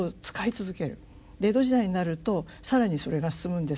江戸時代になると更にそれが進むんですが。